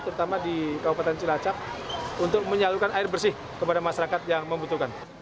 terutama di kabupaten cilacap untuk menyalurkan air bersih kepada masyarakat yang membutuhkan